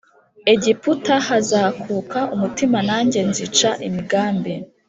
Egiputa hazakuka umutima nanjye nzica imigambi